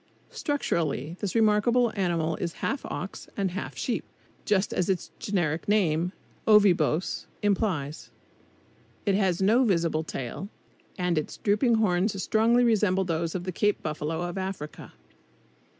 Structurally this remarkable animal is half ox and half sheep, just as its generic name, Ovibos, implies. It has no visible tail, and its drooping horns strongly resemble those of the Cape buffalo, of Africa.